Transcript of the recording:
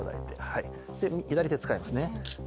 はい左手使いますね。